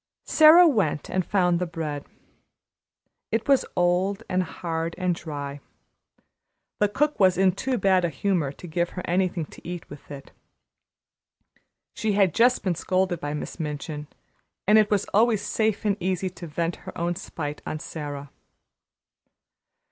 Sara went and found the bread. It was old and hard and dry. The cook was in too bad a humor to give her anything to eat with it. She had just been scolded by Miss Minchin, and it was always safe and easy to vent her own spite on Sara.